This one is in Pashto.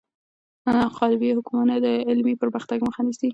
قالبي حکمونه د علمي پرمختګ مخه نیسي.